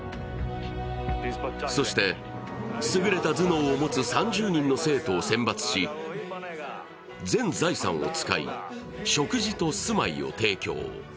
そして優れた頭脳を持つ３０人の生徒を選抜し全財産を使い、食事と住まいを提供